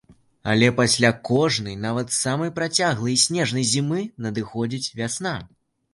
Але пасля кожнай, нават самай працяглай і снежнай зімы надыходзіць вясна.